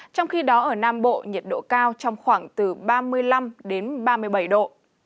trong khi đó ở nam bộ nhiệt độ cao trong khoảng từ ba mươi năm đến ba mươi bảy độ